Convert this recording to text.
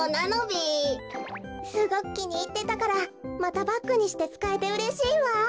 すごくきにいってたからまたバッグにしてつかえてうれしいわ！